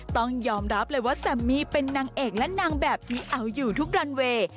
ต้องยอมรับเลยว่าแซมมี่เป็นนางเอกและนางแบบที่เอาอยู่ทุกรันเวย์